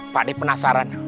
pak d penasaran